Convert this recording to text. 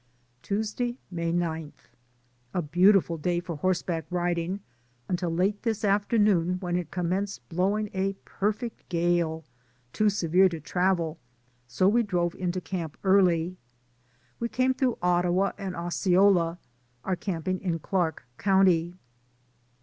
Tuesday, May 9. A beautiful day for horseback riding, un til late this afternoon, when it commenced blowing a perfect gale, too severe to travel, so we drove into camp early. We came through Ottawa and Osceola, are camping in Clark County.